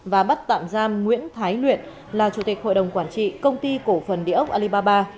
và bắt tạm giam nguyễn thái luyện là chủ tịch hội đồng quản trị công ty cổ phần địa ốc alibaba